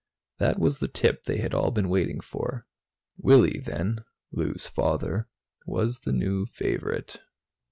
That was the tip they had all been waiting for. Willy, then Lou's father was the new favorite.